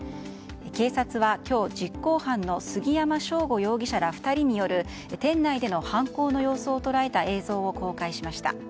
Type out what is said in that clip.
警察は今日、実行犯の杉山翔吾容疑者ら２人による店内での犯行の様子を捉えた映像を公開しました。